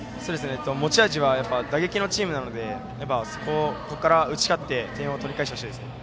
持ち味は打撃のチームなのでここから打ち勝って点を取り返してほしいですね。